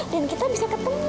dan kita bisa ketemu